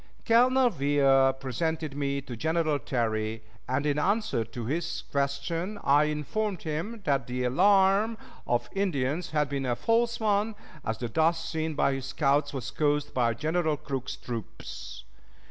Colonel Weir presented me to General Terry, and in answer to his question I informed him that the alarm of Indians had been a false one, as the dust seen by his scouts was caused by General Crook's troops.